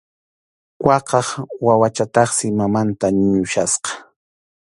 Waqaq wawachataqsi mamanta ñuñuchkasqa.